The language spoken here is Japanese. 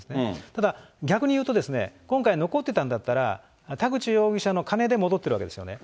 ただ逆に言うとですね、今回、残ってたんだったら、田口容疑者の金で戻っているわけですよね。